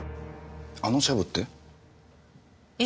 あのシャブって？